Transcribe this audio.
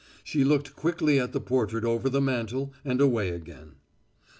She looked quickly at the portrait over the mantel and away again.